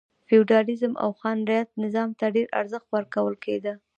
فیوډالېزم او خان رعیت نظام ته ډېر ارزښت ورکول کېده.